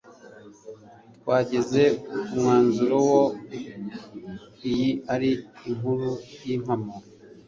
Twageze ku mwanzuro wuko iyi ari inkuru yimpamo